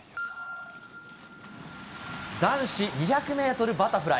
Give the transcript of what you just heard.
男子２００メートルバタフライ。